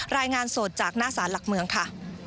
รายงานสดจากหน้าสารหลักเมืองค่ะ